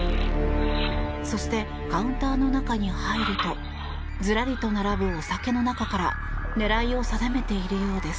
そしてカウンターの中に入るとずらりと並ぶお酒の中から狙いを定めているようです。